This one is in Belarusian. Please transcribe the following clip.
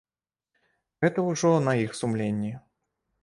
Гэта ўжо на іх сумленні.